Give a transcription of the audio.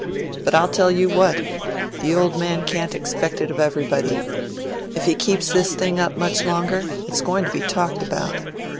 "But I'll tell you what: the old man can't expect it of everybody. If he keeps this thing up much longer, it's going to be talked about.